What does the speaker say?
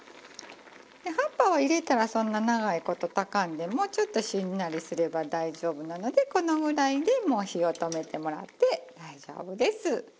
で葉っぱを入れたらそんな長い事炊かんでもちょっとしんなりすれば大丈夫なのでこのぐらいでもう火を止めてもらって大丈夫です。